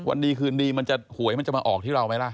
วันนี้คืนนี้หวยมันจะมาออกที่เราไหมล่ะ